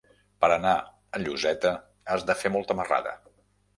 Per anar a Lloseta has de fer molta marrada.